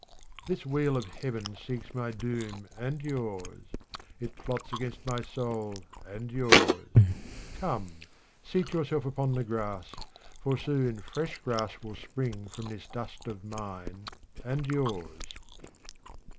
This wheel of Heaven seeks my doom and yours ; it plots against my soul and yours. Come, seat yourself upon the grass, for soon fresh grass will spring from this dust of mine and yours.